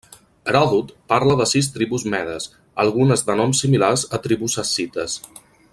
Heròdot parla de sis tribus medes, algunes de noms similars a tribus escites.